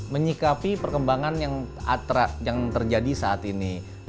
menyikapi perkembangan yang terjadi saat ini